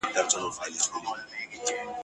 دې د ابوجهل له اعلان سره به څه کوو !.